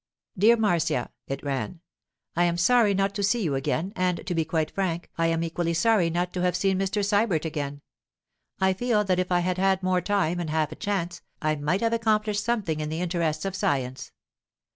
'DEAR MARCIA' (it ran): 'I am sorry not to see you again, and (to be quite frank) I am equally sorry not to have seen Mr. Sybert again. I feel that if I had had more time, and half a chance, I might have accomplished something in the interests of science.